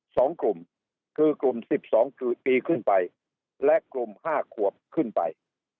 สองกลุ่มคือกลุ่มสิบสองคือตีขึ้นไปและกลุ่มห้าขวบขึ้นไป